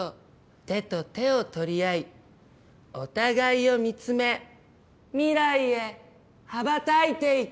手と手を取り合いお互いを見つめ未来へ羽ばたいていく」。